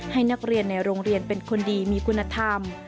ให้นักเรียนในโรงเรียนเป็นคนดีมีคุณธรรม